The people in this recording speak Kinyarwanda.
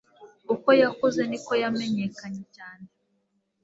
Uko yakuze, niko yamenyekanye cyane